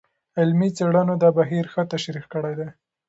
علمي څېړنو دا بهیر ښه تشریح کړی دی.